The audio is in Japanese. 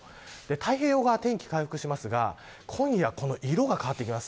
太平洋側、天気が回復しますが今夜、この色が変わってきます。